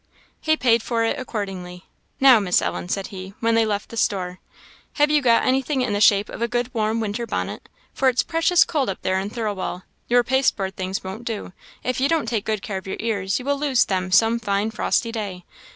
He paid for it accordingly. "Now, Miss Ellen," said he, when they left the store, "have you got anything in the shape of a good warm winter bonnet? for it's precious cold up there in Thirlwall; your pasteboard things won't do; if you don't take good care of your ears, you will lose them some fine frosty day.